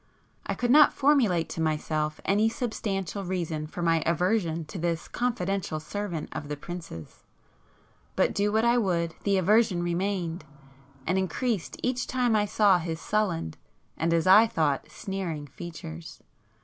I could not formulate to myself any substantial reason for my aversion to this confidential servant of the prince's,—but do what I would the aversion remained, and increased each time I saw his sullen, and as I thought, sneering features.